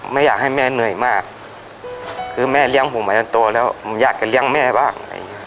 ไม่อยากให้แม่เหนื่อยมากคือแม่เลี้ยงผมมาจนโตแล้วมันอยากจะเลี้ยงแม่บ้าง